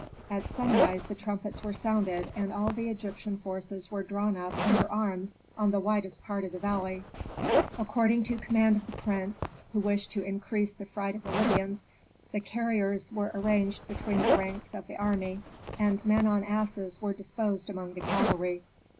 At sunrise the trumpets were sounded, and all the Egyptian forces were drawn up under arms on the widest part of the valley. According to command of the prince, who wished to increase the fright of the Libyans the carriers were arranged between the ranks of the army, and men on asses were disposed among the cavalry.